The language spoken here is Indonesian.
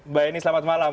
mbak eni selamat malam